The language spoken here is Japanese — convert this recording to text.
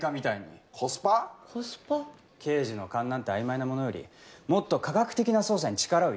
刑事の勘なんて曖昧なものよりもっと科学的な捜査に力を入れて。